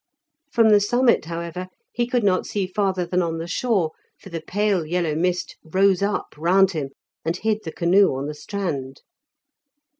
From the summit, however, he could not see farther than on the shore, for the pale yellow mist rose up round him, and hid the canoe on the strand.